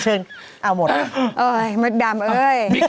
จริงเอาหมดแล้วโอ๊ยมดดำเอ้ย